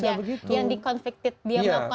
dia melakukan karasansi meragukan